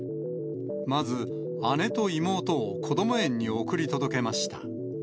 まず姉と妹をこども園に送り届けました。